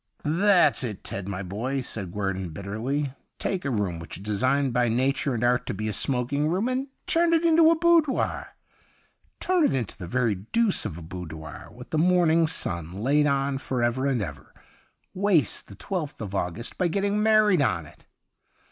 ' That's it, Ted, my boy,' said Guerdon bitterly ;' take a room which is designed by nature and art to be a smoking room and turn it into a boudoir. Turn it into the very deuce of a boudoir with the morning sun laid on for ever and ever. Waste the twelfth of August by getting married on it.